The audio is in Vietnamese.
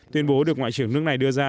tuyên bố được ngoại trưởng nước này đưa ra